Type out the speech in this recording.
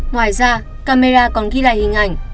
ngoài ra camera còn ghi lại hình ảnh